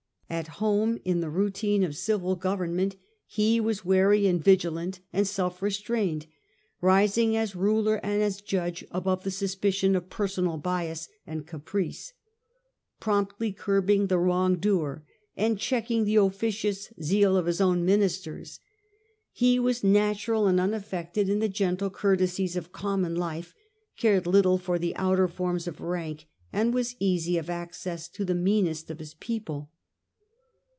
At home, in the routine of civil government he A.n. 48 The Age o f the Ant 07 iines. was wary and vigilant and self restrained, rising as ruler and as judge above the suspicion of personal bias and caprice, promptly curbing the wrong doer and checking the officious zeal of his own ministers. He was natural and unaffected in the gentle courtesies of common life, cared little for the outer forms of rank, and was easy of access to the meanest of his people.